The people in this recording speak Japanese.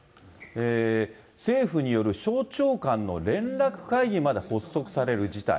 政府による省庁間の連絡会議まで発足される事態。